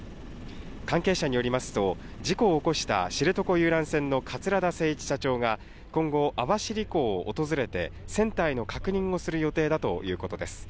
関係者によりますと、事故を起こした知床遊覧船の桂田精一社長が今後、網走港を訪れて、船体の確認をする予定だということです。